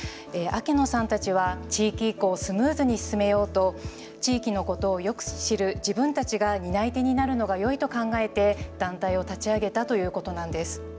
明野さんたちは地域移行をスムーズに進めようと地域のことをよく知る自分たちが担い手になるのがよいと考えて団体を立ち上げたということなんです。